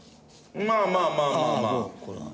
まあまあまあまあ。